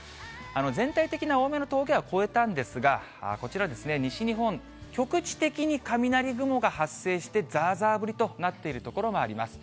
全体的な大雨の峠は越えたんですが、こちら、西日本、局地的に雷雲が発生して、ざーざー降りとなっている所があります。